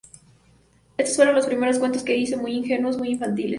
Esos fueron los primeros cuentos que hice, muy ingenuos, muy infantiles.